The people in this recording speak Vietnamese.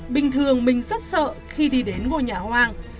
bình thường mình rất sợ khi đi đến ngôi nhà hoang